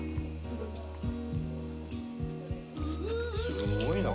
すごいな。